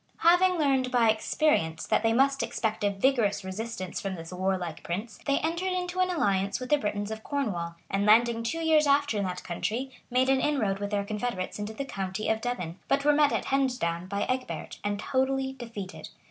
] Having learned, by experience, that they must expect a vigorous resistance from this warlike prince, they entered into an alliance with the Britons of Cornwall; and, landing two years after in that country, made an inroad with their confederates into the county of Devon, but were met at Hengesdown by Egbert, and totally defeated.